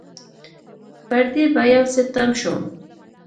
پر دې به يو څه تم شو.